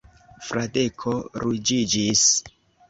Fradeko ruĝiĝis.